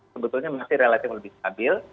sebetulnya masih relatif lebih stabil